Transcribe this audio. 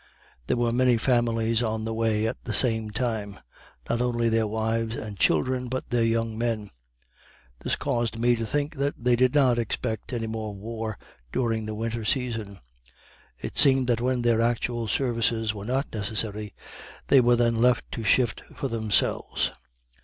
There were many families on the way at the same time not only their wives and children, but their young men. This caused me to think that they did not expect any more war during the winter season. It seemed that when their actual services were not necessary, they were then left to shift for themselves.